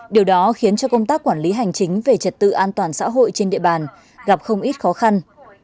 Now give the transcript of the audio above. điều đó khiến cho công tác quản lý hành chính về trật tự an toàn xã hội trên địa bàn gặp không ít khó khăn